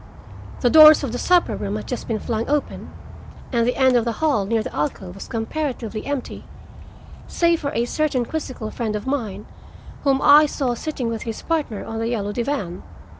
The doors of the supper room had just been flung open, and the end of the hall near the alcove was comparatively empty, save for a certain quizzical friend of mine, whom I saw sitting with his partner on the yellow divan.